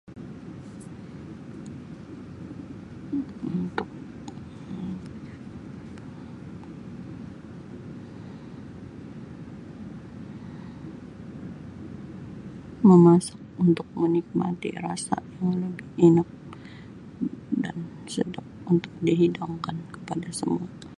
Untuk [unintelligible] memasak untuk menikmati rasa yang lebih enak dan sedap untuk dihidangkan kepada semua.